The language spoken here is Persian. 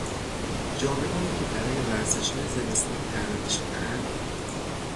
جامههایی که برای ورزشهای زمستانی طراحی شدهاند